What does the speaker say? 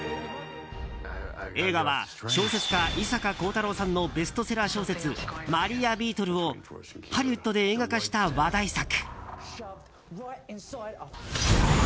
映画は小説家・伊坂幸太郎さんのベストセラー小説「マリアビートル」をハリウッドで映画化した話題作。